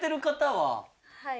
はい。